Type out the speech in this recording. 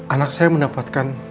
anak saya mendapatkan